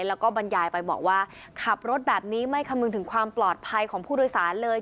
แล้วก็บรรยายไปบอกว่าขับรถแบบนี้ไม่คำนึงถึงความปลอดภัยของผู้โดยสารเลย